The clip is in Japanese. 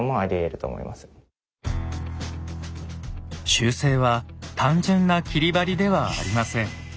修正は単純な切り貼りではありません。